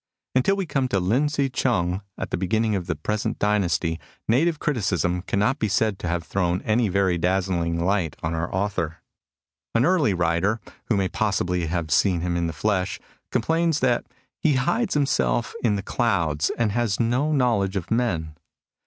Until we come to Lin Hsi chung at the be ginning of the present dynasty, native criticism cannot be said to have thrown any very dazzling light on our author. An early writer, who may possibly have seen him in the flesh, complains that *' he hides himself in the clouds and has no knowledge of men."